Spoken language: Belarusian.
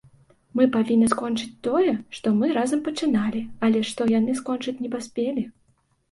Мы павінны скончыць тое, што мы разам пачыналі, але што яны скончыць не паспелі.